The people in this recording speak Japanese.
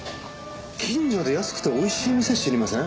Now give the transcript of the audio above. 近所で安くて美味しい店知りません？